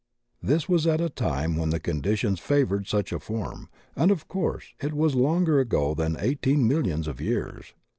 This was at a time when the conditions favored such a form and of course it was longer ago than eighteen millions of years.